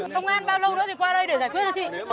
công an bao lâu nữa thì qua đây để giải quyết cho chị